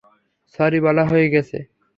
Sorry বলা হয়ে গেছে।